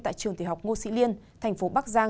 tại trường tiểu học ngô sĩ liên thành phố bắc giang